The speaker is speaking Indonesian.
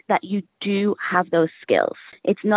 bahwa anda memiliki kemahiran itu